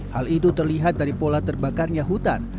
hal itu terlihat dari pola terbakarnya hutan